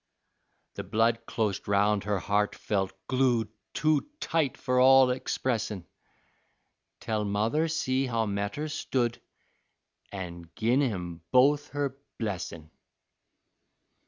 The blood clost roun' her heart felt glued Too tight for all expressin', Tell mother see how metters stood, An' gin 'em both her blessin'.